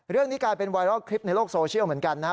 เรื่องนี้กลายเป็นไวรัลคลิปในโลกโซเชียลเหมือนกันนะครับ